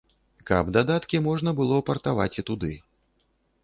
Каб дадаткі можна было партаваць і туды.